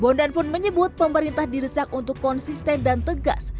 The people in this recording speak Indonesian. bondan pun menyebut pemerintah didesak untuk konsisten dan tegas